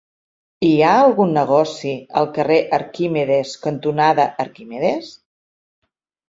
Hi ha algun negoci al carrer Arquímedes cantonada Arquímedes?